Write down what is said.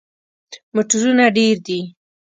موټرونه ډیر دي